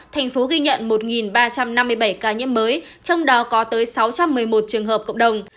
thành phố ghi nhận một ba trăm năm mươi bảy ca nhiễm mới trong đó có tới sáu trăm một mươi một trường hợp cộng đồng